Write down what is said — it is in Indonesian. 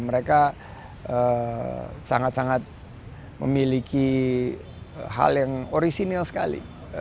mereka sangat sangat memiliki hal yang orisinil sekali